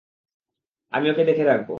আমি ওকে দেখে রাখব!